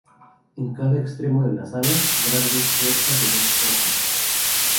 En cada extremo de la sala, grandes puertas de dos hojas.